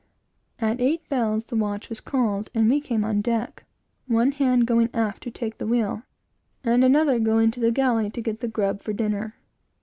At eight bells, the watch was called, and we came on deck, one hand going aft to take the wheel, and another going to the galley to get the grub for dinner.